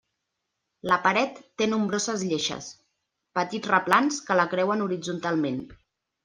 La paret té nombroses lleixes, petits replans, que la creuen horitzontalment.